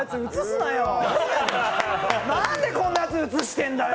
なんでこんなやつ映してるんだよ。